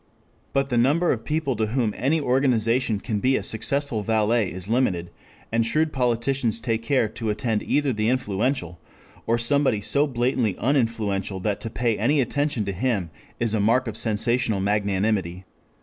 But the number of people to whom any organization can be a successful valet is limited, and shrewd politicians take care to attend either the influential, or somebody so blatantly uninfluential that to pay any attention to him is a mark of sensational magnanimity.